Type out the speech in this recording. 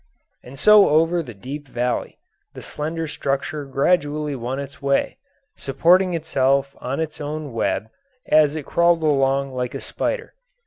And so over the deep valley the slender structure gradually won its way, supporting itself on its own web as it crawled along like a spider.